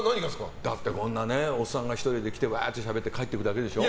だってこんなおっさんが１人来てワーッとしゃべって帰っていくだけでしょ。